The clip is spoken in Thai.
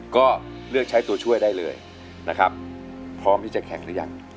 ก็เลือกใช้ตัวช่วยได้เลยนะครับพร้อมที่จะแข่งหรือยัง